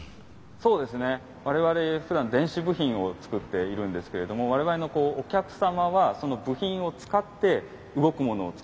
そうですね我々ふだん電子部品を作っているんですけれども我々のお客様はその部品を使って動くものを作っている。